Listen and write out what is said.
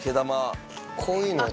こういうのは。